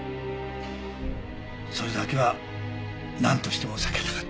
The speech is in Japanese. それだけはなんとしても避けたかったんです。